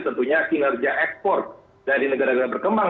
tentunya kinerja ekspor dari negara negara berkembang